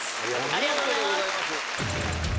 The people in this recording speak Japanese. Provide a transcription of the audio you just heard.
ありがとうございます。